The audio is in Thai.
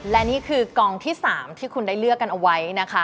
และนี่คือกองที่๓ที่คุณได้เลือกกันเอาไว้นะคะ